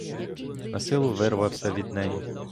Насилу вирвався від неї.